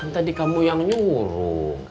tadi kamu yang nyuruh